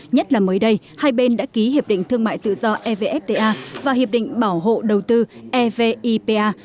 nhất là mới đây hai bên đã ký hiệp định thương mại tự do evfta và hiệp định bảo hộ đầu tư evipa